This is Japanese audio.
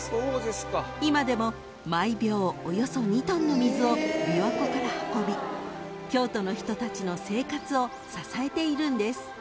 ［今でも毎秒およそ２ｔの水を琵琶湖から運び京都の人たちの生活を支えているんです］